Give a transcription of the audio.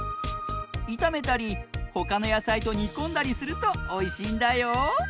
いためたりほかのやさいとにこんだりするとおいしいんだよ。